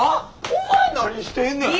お前何してんねん。